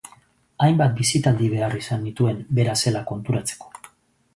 Hainbat bisitaldi behar izan nituen bera zela konturatzeko.